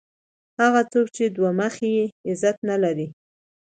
هغه څوک چي دوه مخی يي؛ عزت نه لري.